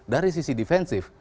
dari sisi defensif